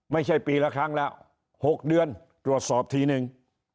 ไม่ใช่ปีละครั้งแล้ว๖เดือนตรวจสอบทีนึง